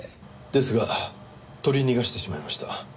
ですが取り逃がしてしまいました。